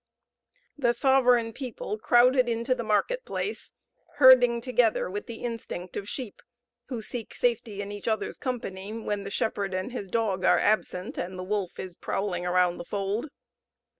The sovereign people crowded into the marketplace, herding together with the instinct of sheep, who seek safety in each other's company when the shepherd and his dog are absent, and the wolf is prowling round the fold.